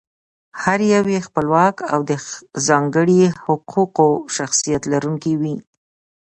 هر یو یې خپلواک او د ځانګړي حقوقي شخصیت لرونکی وي.